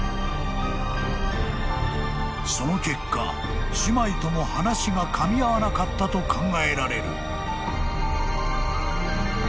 ［その結果姉妹とも話がかみ合わなかったと考えられる］